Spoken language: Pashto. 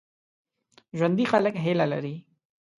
ژوندي خلک هیله لري